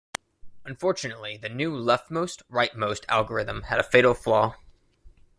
Unfortunately the new leftmost-rightmost algorithm had a fatal flaw.